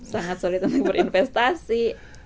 sangat sulit untuk berinvestasi